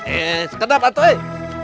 eh sekedar patuh eh